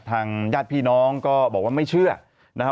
ทางญาติพี่น้องก็บอกว่าไม่เชื่อนะฮะ